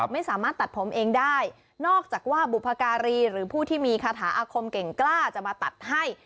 ไม่สามารถตัดผมเองได้นอกจากว่าบุพการีหรือผู้ที่มีคาถาอาคมเก่งกล้าจะมาตัดให้